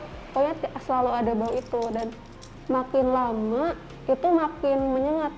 pokoknya selalu ada bau itu dan makin lama itu makin menyengat